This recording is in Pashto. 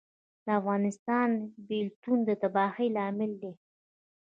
د افغانستان بیلتون د تباهۍ لامل دی